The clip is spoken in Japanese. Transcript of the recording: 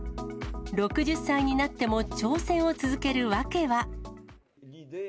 ６０歳になっても挑戦を続ける訳は。